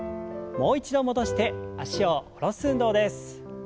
もう一度戻して脚を下ろす運動です。